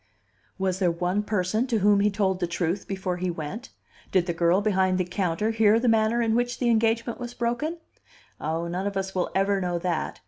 Was there one person to whom he told the truth before he went? Did the girl behind the counter hear the manner in which the engagement was broken? Ah, none of us will ever know that!